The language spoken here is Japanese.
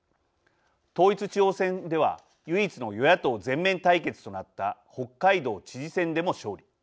統一地方選では唯一の与野党全面対決となった北海道知事選でも勝利。